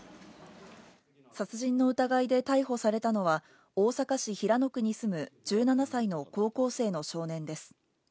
殺人の疑いで逮捕されたのは、大阪市平野区に住む１７歳の高校生の少年です。